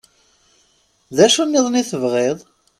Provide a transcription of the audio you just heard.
D acu-nniḍen i tebɣiḍ?